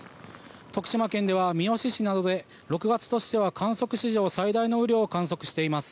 徳島県では三好市などで６月としては観測史上最大の雨量を観測しています。